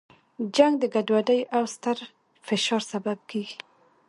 جنګ د ګډوډۍ او ستر فشار سبب کیږي.